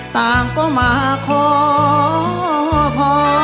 ต่างก็มาขอพอ